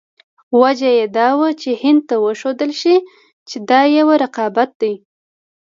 وجه یې دا وه چې هند ته وښودل شي چې دا یو رقابت دی.